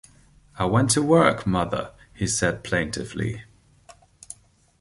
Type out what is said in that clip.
“I went to work, mother,” he said plaintively.